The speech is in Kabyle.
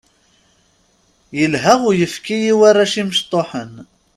Ilha uyefki i warrac imecṭuḥen.